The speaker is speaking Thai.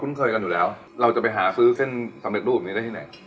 เคยกันอยู่แล้วเราจะไปหาซื้อเส้นสำเร็จรูปแบบนี้ได้ที่ไหน